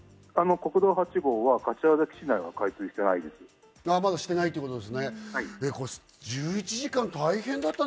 国道８号は柏崎市内はまだしていないです。